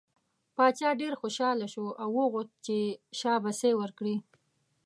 باچا ډېر خوشحاله شو او وغوښت یې چې شاباسی ورکړي.